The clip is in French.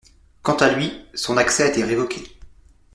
Quant à lui, son accès a été révoqué.